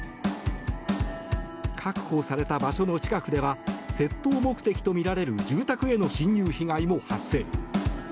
確保された場所の近くでは窃盗目的とみられる住宅への侵入被害も発生。